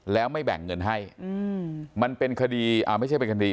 แล้วไม่แบ่งเงินให้มันเป็นคดีไม่ใช่เป็นคดี